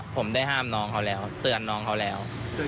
ผมได้ห้ามน้องเขาแล้วเตือนน้องเขาแล้ว